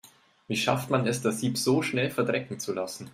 Wie schafft man es, das Sieb so schnell verdrecken zu lassen?